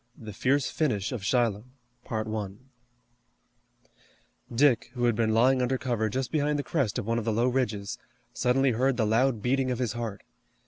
THE FIERCE FINISH OF SHILOH Dick, who had been lying under cover just behind the crest of one of the low ridges, suddenly heard the loud beating of his heart.